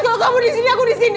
kalau kamu disini aku disini